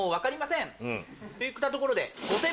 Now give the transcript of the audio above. といったところで。